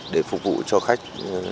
để phục vụ cho khách